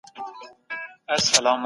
د بشري ژوند حرمت وساتئ.